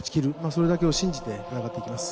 それだけを信じて戦っていきます。